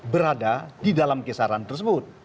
berada di dalam kisaran tersebut